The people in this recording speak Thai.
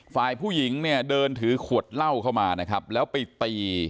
ฝ่ายผู้หญิงเนี่ยเดินถือขวดเหล้าเข้ามานะครับแล้วไปตี